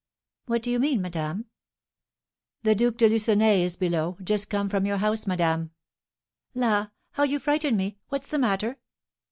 "What do you mean, madame?" "The Duke de Lucenay is below, just come from your house, madame." "La, how you frighten me! What's the matter?"